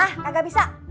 hah gak bisa